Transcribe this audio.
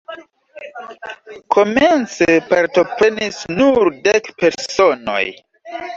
Komence partoprenis nur dek personoj.